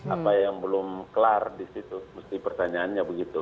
apa yang belum kelar di situ mesti pertanyaannya begitu